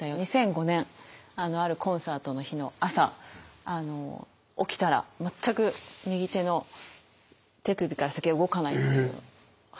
２００５年あるコンサートの日の朝起きたら全く右手の手首から先が動かないっていう。